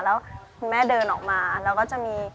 แล้วคุณแม่เดินออกมาแล้วก็จะมี